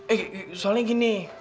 eh soalnya gini